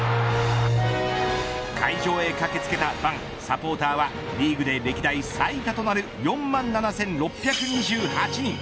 会場へ駆け付けたファンサポーターはリーグで歴代最多となる４万７６２８人。